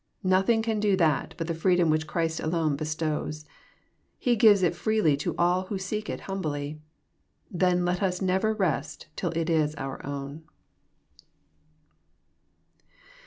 Nothing can do that but the freedom which Christ alone bestows. He gives it freely to all who seek it humbly. Then let us never rest till it is our own.